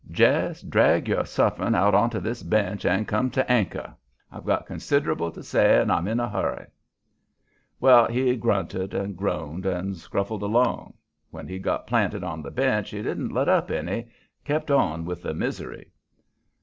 Jest drag your sufferings out onto this bench and come to anchor. I've got considerable to say, and I'm in a hurry." Well, he grunted, and groaned, and scuffled along. When he'd got planted on the bench he didn't let up any kept on with the misery.